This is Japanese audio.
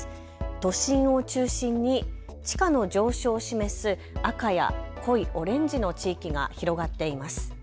都心を中心に地価の上昇を示す赤や濃いオレンジの地域が広がっています。